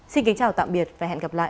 xin kính chào tạm biệt và hẹn gặp lại